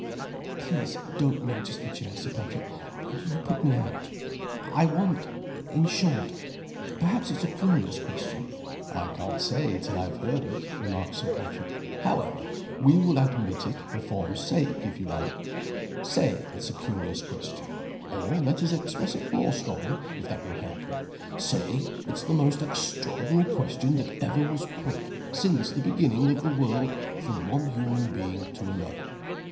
"Please don't notice the chair, Sir Patrick you put me out. I want in short perhaps it's a curious question " "I can't say till I have heard it," remarked Sir Patrick. "However, we will admit it, for form's sake, if you like. Say it's a curious question. Or let us express it more strongly, if that will help you. Say it's the most extraordinary question that ever was put, since the beginning of the world, from one human being to another."